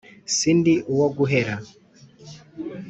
si ndi uwo guhera